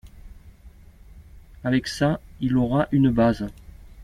Avec ça, il aura une base.